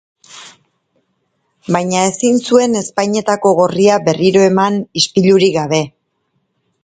Baina ezin zuen ezpainetako gorria berriro eman ispilurik gabe.